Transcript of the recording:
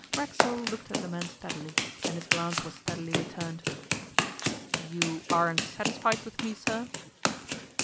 Racksole looked at the man steadily, and his glance was steadily returned. 'You aren't satisfied with me, sir?